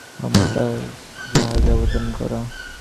আমার কাজ জাহাজে অবতরণ করা।